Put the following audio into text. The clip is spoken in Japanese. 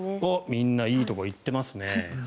みんないいところいっていますね。